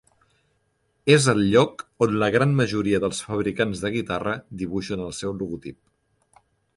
És el lloc on la gran majoria dels fabricants de guitarra dibuixen el seu logotip.